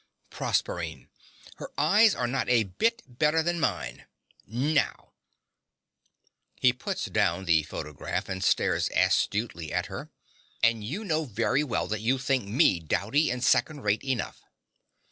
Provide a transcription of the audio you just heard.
PROSERPINE. Her eyes are not a bit better than mine now! (He puts down the photograph and stares austerely at her.) And you know very well that you think me dowdy and second rate enough.